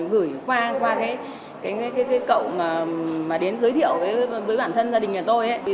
gửi qua cái cậu mà đến giới thiệu với bản thân gia đình nhà tôi